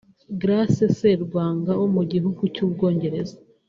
Grace Serwaga wo mu gihugu cy’u Bwongereza